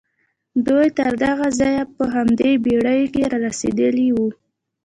دوی تر دغه ځايه په همدې بېړيو کې را رسېدلي وو.